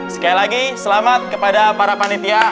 sekali lagi selamat kepada para panitia